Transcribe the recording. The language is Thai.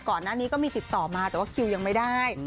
ก่อนหน้านี้ก็มีติดต่อมาแต่ว่าคิวยังไม่ได้